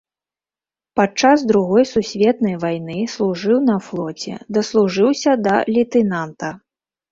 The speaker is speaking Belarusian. Падчас другой сусветнай вайны служыў на флоце, даслужыўся да лейтэнанта.